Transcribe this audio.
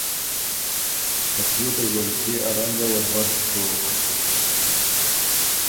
ته پئے ته زلپئے ا رنګه وه بد دوک“